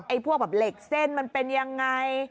ไอ้พวกเหล่กเส้นเป็นอย่างไง